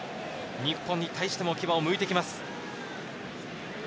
日本に対しても牙をむいてきます。